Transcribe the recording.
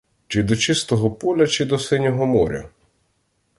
Чи до чистого поля, чи до синього моря?